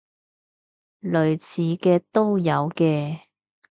類似嘅都有嘅